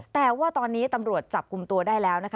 แต่ว่าตอนนี้ตำรวจจับกลุ่มตัวได้แล้วนะคะ